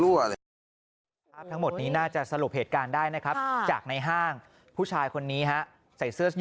ว่าจะได้จริงกูเนี่ย